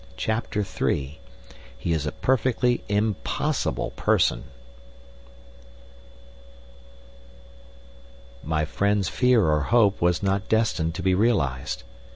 CHAPTER III "He is a Perfectly Impossible Person" My friend's fear or hope was not destined to be realized.